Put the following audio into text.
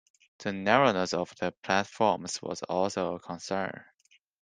The narrowness of the platforms was also a concern.